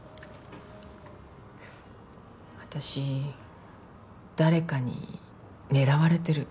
私誰かに狙われてる。